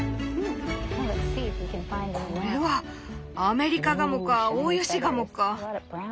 これはアメリカガモかオオヨシガモか。